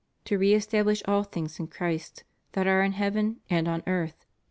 . to re establish all things in Christ, that are in heaven and on earth, in Him.